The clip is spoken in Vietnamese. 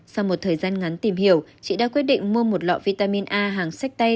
sau một thời gian ngắn tìm hiểu chị đã quyết định mua một lọ vitamin a hàng sách tay